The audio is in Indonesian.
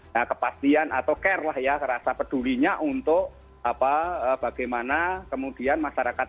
nah kepastian atau care lah ya rasa pedulinya untuk bagaimana kemudian masyarakat